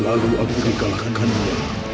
lalu aku dikalahkannya